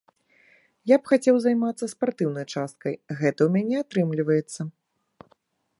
Я б хацеў займацца спартыўнай часткай, гэта ў мяне атрымліваецца.